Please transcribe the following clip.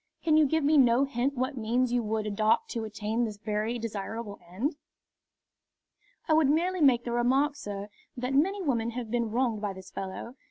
Can you give me no hint what means you would adopt to attain this very desirable end?" "I would merely make the remark, sir, that many women have been wronged by this fellow.